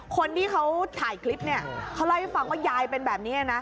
คนที่เขาถ่ายคลิปเนี่ยเขาเล่าให้ฟังว่ายายเป็นแบบนี้นะ